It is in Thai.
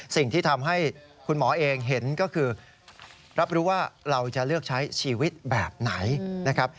สิ่งที่ทำให้คุณหมอเองเห็นก็คือรับรู้ว่าเราจะเลือกใช้ชีวิตแบบไหนนะครับ